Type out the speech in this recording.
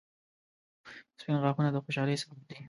• سپین غاښونه د خوشحالۍ سبب دي